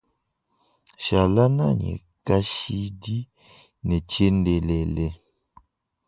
Shala nʼanyi kashid ne tshiendelele.